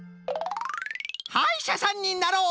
「はいしゃさんになろう！」